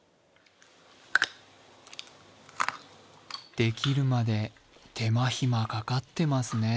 できるまで手間暇かかってますね。